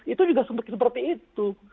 itu juga seperti itu